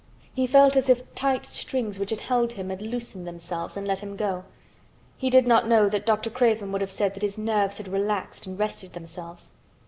He felt as if tight strings which had held him had loosened themselves and let him go. He did not know that Dr. Craven would have said that his nerves had relaxed and rested themselves.